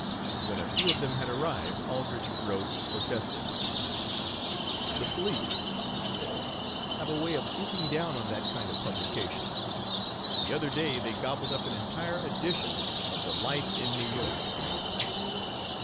When a few of them had arrived Aldrich wrote, protesting. "The police," he said, "have a way of swooping down on that kind of publication. The other day they gobbled up an entire edition of 'The Life in New York.'"